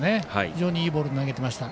非常にいいボール投げてました。